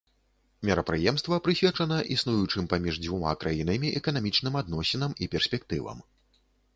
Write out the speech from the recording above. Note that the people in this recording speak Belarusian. Мерапрыемства прысвечана існуючым паміж дзвюма краінамі эканамічным адносінам і перспектывам.